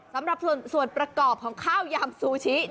สำหรับส่วนประกอบของข้าวยำซูชิ